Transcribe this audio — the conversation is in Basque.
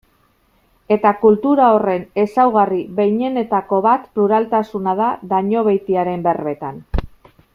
Eta kultura horren ezaugarri behinenetako bat pluraltasuna da, Dañobeitiaren berbetan.